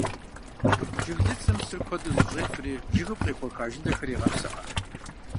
Жыглыцым псыр куэду зыщӀефри жыгым къехуэха жылэхэр егъэпсыӏэ.